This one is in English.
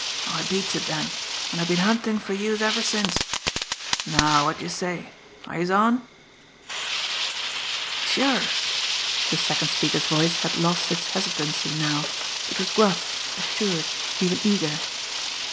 I beats it den, an' I been huntin' fer youse ever since. Now, wot d'youse say are youse on?" "Sure!" The second speaker's voice had lost its hesitancy now; it was gruff, assured, even eager.